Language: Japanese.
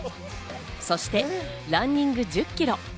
そしてランニング１０キロ。